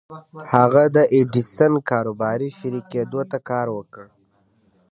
هغه د ايډېسن کاروباري شريک کېدو ته کار وکړ.